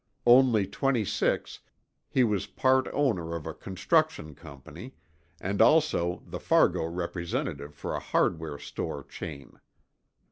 Only twenty six, he was part owner of a construction company, and also the Fargo representative for a hardware store chain.